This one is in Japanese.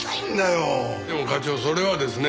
でも課長それはですね